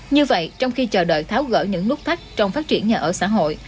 như vậy trong khi chờ đợi tháo gỡ những nút thắt trong phát triển nhà ở xã hội